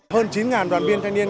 hơn chín đoàn viên thanh niên